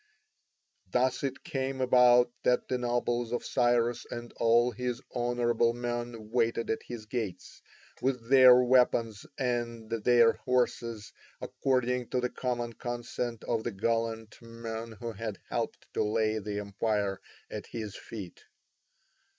Thus it came about that the nobles of Cyrus and all his honourable men waited at his gates, with their weapons and their horses, according to the common consent of the gallant men who had helped to lay the empire at his feet.